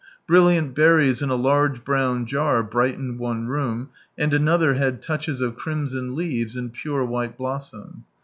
Brilliant berries in a large brown jar brightened one room, and another had touches of crimson leaves and pure white blossom.